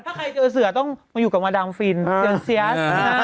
ถ้าใครเจอเสือต้องมาอยู่กับมาดามฟินเจอเซียส